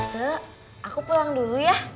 mbak aku pulang dulu ya